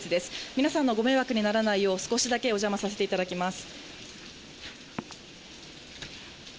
皆さんのご迷惑にならないよう、少しだけお邪魔させていただきます。